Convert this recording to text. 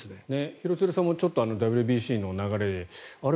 廣津留さんもちょっとＷＢＣの流れであれ？